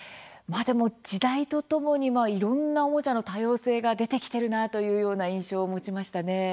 時代とともにいろんなおもちゃの多様性が出てきてるなというような印象を持ちましたね。